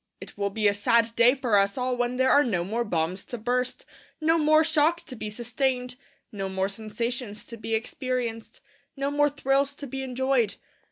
It will be a sad day for us all when there are no more bombs to burst, no more shocks to be sustained, no more sensations to be experienced, no more thrills to be enjoyed.